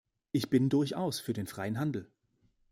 Ich bin durchaus für den freien Handel.